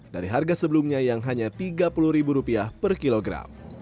dari harga sebelumnya yang hanya tiga puluh ribu rupiah per kilogram